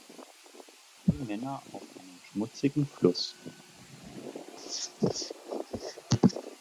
Drei Männer auf einem schmutzigen Fluss.